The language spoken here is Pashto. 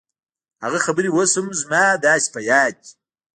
هغه خبرې اوس هم زما داسې په ياد دي.